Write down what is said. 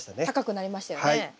高くなりましたよね。